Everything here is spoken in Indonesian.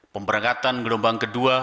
pemberangkatan gelombang kedua